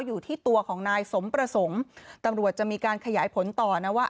อยู่ที่ตัวของนายสมประสงค์ตำรวจจะมีการขยายผลต่อนะว่า